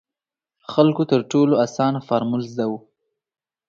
خلکو تر ټولو اسانه فارمول زده وو.